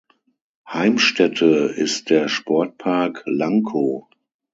Heimstätte ist der Sportpark Lankow.